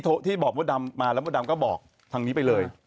ที่บอกมดดำมาแล้วมดดำก็บอกทางนี้ไปเลย